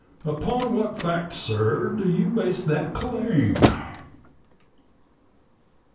" Upon what fact, sir, do you base that claim.?